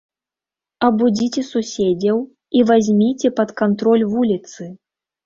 Абудзіце суседзяў і вазьміце пад кантроль вуліцы!